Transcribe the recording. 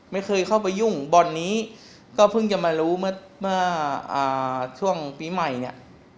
ไม่เคยเข้าไปยุ่งบอลนี้ก็เพิ่งจะมารู้เมื่อช่วงปีใหม่เนี่ย